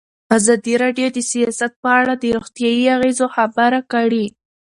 ازادي راډیو د سیاست په اړه د روغتیایي اغېزو خبره کړې.